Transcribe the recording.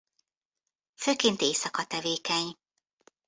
Főként éjszaka tevékeny.